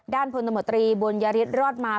ด้านผลตมตรีบุญญฤตรรอดมา